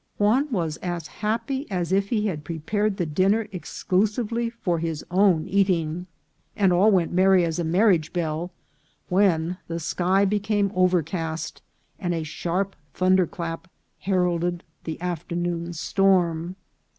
Juan was as happy as if he had prepared the dinner exclusively for his own eating ; and all went merry as a marriage bell, when the sky became overcast, and a sharp thunder clap heralded the EXTRAORDINARY FIREFLIES. 301 afternoon's storm.